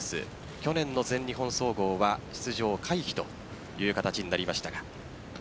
去年の全日本総合は出場回避という形になりました。